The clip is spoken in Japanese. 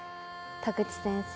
田口先生